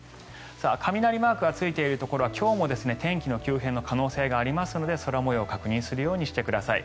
雷マークがついているところは今日も天気の急変の可能性がありますので空模様を確認するようにしてください。